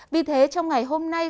vì thế trong ngày hôm nay